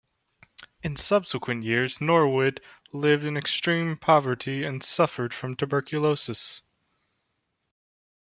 In subsequent years, Norwid lived in extreme poverty and suffered from tuberculosis.